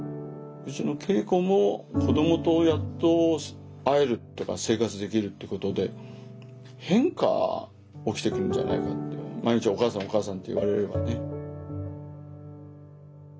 圭子も子どもとやっと会えるとか生活できるってことで変化起きてくるんじゃないかって毎日「お母さんお母さん」って言われればね。